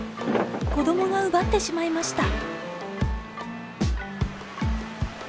子どもが奪ってしまいました。